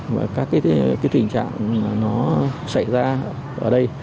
và các cái tình trạng mà nó xảy ra ở đây